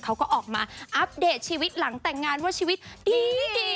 เขาก็ออกมาอัปเดตชีวิตหลังแต่งงานว่าชีวิตดี